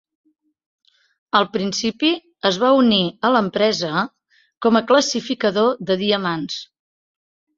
Al principi es va unir a l'empresa com a classificador de diamants.